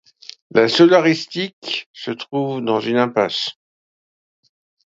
La solaristique se trouve dans une impasse.